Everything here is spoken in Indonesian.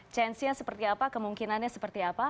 chance nya seperti apa kemungkinan nya seperti apa